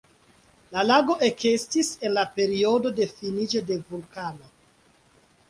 La lago ekestis en la periodo de finiĝo de vulkana.